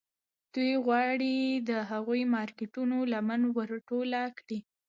دوی غواړي د هغو مارکیټونو لمن ور ټوله کړي